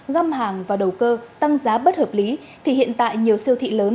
găm hàng và đầu cơ tăng giá bất hợp lý thì hiện tại nhiều siêu thị lớn